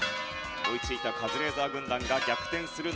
追いついたカズレーザー軍団が逆転するのか？